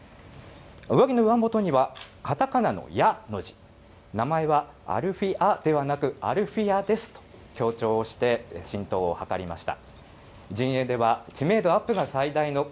上着の上元にはかたかなのヤの字、名前はアルヒアではなくてアルフィヤですと強調して、浸透をはかりました。